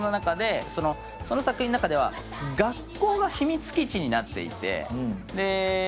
その作品の中では学校が秘密基地になっていて。